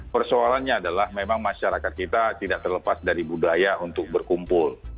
persoalannya adalah memang masyarakat kita tidak terlepas dari budaya untuk berkumpul